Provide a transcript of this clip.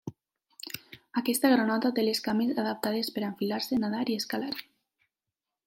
Aquesta granota té les cames adaptades per a enfilar-se, nadar i escalar.